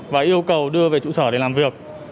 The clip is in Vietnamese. và yêu cầu đưa về trụ sở để làm việc